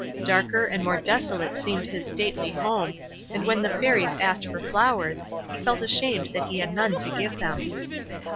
Darker and more desolate seemed his stately home, and when the Fairies asked for flowers, he felt ashamed that he had none to give them.